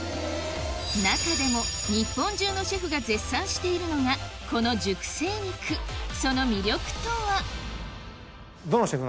中でも日本中のシェフが絶賛しているのがこのその魅力とは？